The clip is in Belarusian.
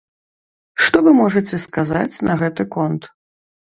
Што вы можаце сказаць на гэты конт?